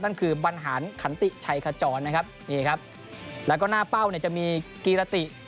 ตัวต่างชาติ